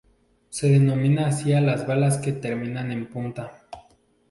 P: Se denomina así a las balas que terminan en punta.